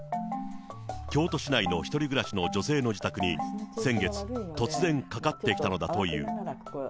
京都市内の１人暮らしの女性の自宅に、先月、突然かかってきたのだという。